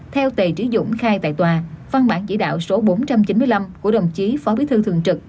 theo tề trí dũng khai tại tòa văn bản chỉ đạo số bốn trăm chín mươi năm của đồng chí phó bí thư thường trực